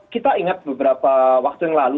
kita ingat beberapa waktu yang lalu